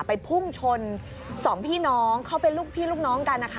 พุ่งชนสองพี่น้องเขาเป็นลูกพี่ลูกน้องกันนะคะ